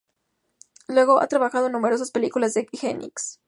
Luego, ha trabajado en numerosas películas de Jenkins.